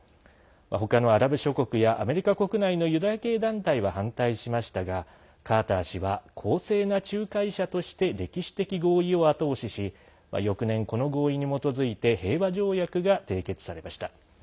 他のアラブ諸国やアメリカ国内のユダヤ系団体は反対しましたがカーター氏は公正な仲介者として歴史的合意を後押しし、翌年この合意に基づいて平和条約が締結されました。